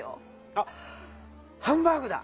あっハンバーグだ！